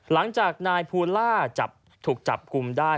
หลังจากนายภูล่าถูกจับกลุ่มได้